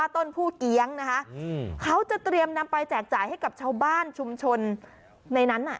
เตรียมนำไปแจกจ่ายให้กับชาวบ้านชุมชนในนั้นอ่ะ